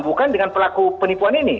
bukan dengan pelaku penipuan ini